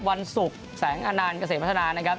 วันศุกร์แสงอาณเกษตรพัฒนานะครับ